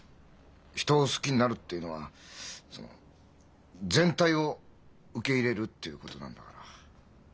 人を好きになるっていうのはその全体を受け入れるっていうことなんだから。